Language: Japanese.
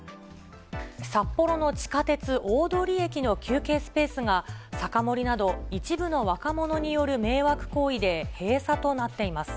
札幌の地下鉄大通駅の休憩スペースが、酒盛りなど、一部の若者による迷惑行為で閉鎖となっています。